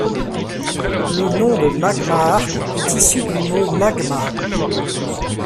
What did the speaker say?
Le nom de Magmar est issu du mot magma.